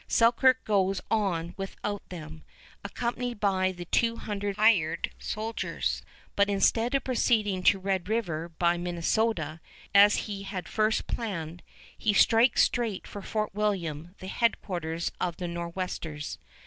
Selkirk goes on without them, accompanied by the two hundred hired soldiers; but instead of proceeding to Red River by Minnesota, as he had first planned, he strikes straight for Fort William, the headquarters of the Nor'westers.